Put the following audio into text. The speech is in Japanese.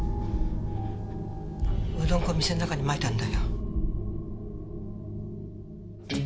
うどん粉店の中にまいたんだよ。